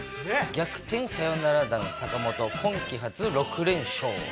逆転サヨナラ弾、坂本、今季初６連勝。